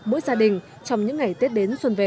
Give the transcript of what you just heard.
mỗi gia đình trong những ngày tết đến xuân về